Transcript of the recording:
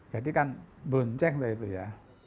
jadi kan bunceng lah itu ya